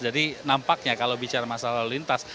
jadi nampaknya kalau bicara masalah lalu lintas